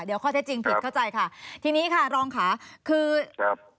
เดี๋ยวข้อเท็จจริงผิดเข้าใจค่ะทีนี้ค่ะรองค่ะคือครับ